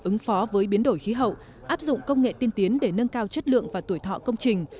ứng phó với biến đổi khí hậu áp dụng công nghệ tiên tiến để nâng cao chất lượng và tuổi thọ công trình